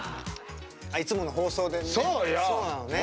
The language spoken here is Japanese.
いつもの放送でね。